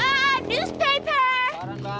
ah ah newspaper